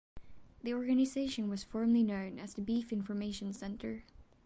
The organization was formerly known as the Beef Information Centre.